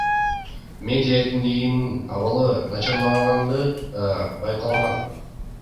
Медиа эркиндигинин абалы начарлаганы байкалган.